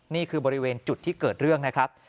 นี่คือบริเวณจุดที่เกิดเรื่องนะครับ